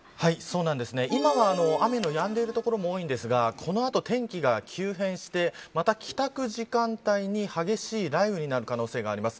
今は雨のやんでいる所も多いんですがこの後、天気が急変してまた、帰宅時間帯に激しい雷雨になる可能性があります。